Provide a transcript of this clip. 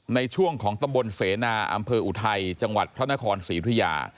ในช่วงของตำบลเสนาอำเภออุทัยจังหวัดพระนครศรีธุยา